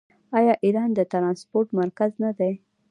آیا ایران د ټرانسپورټ مرکز نه دی؟